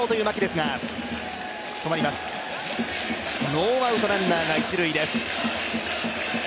ノーアウトランナーが一塁です。